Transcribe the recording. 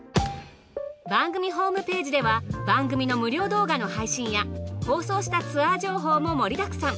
番組ホームページでは番組の無料動画の配信や放送したツアー情報も盛りだくさん。